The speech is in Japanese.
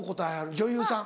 女優さん？